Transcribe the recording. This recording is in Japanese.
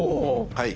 はい。